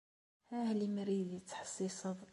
Ah! Lemmer i iyi-d-tettḥessiseḍ.